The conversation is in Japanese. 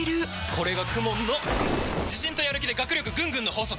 これがＫＵＭＯＮの自信とやる気で学力ぐんぐんの法則！